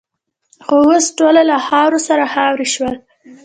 خو اوس ټول له خاورو سره خاوروې شول.